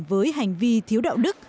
với hành vi thiếu đạo đức